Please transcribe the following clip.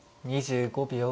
２５秒。